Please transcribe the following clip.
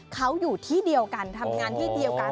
เขาอยู่ที่เดียวกันทำงานที่เดียวกัน